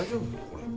これ。